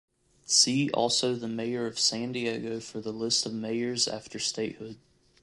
See also the mayor of San Diego for the list of mayors after statehood.